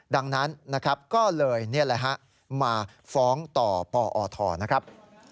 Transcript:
ดังนั้นก็เลยมาฟ้องต่อปอทนะครับ